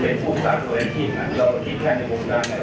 คือเป็นผู้สร้างโดยทีมเราคิดแค่ในวงการเลย